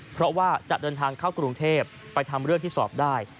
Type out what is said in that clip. เพราะว่าจะเดินทางเข้ากรุงเทพไปทำเรื่องที่สอบได้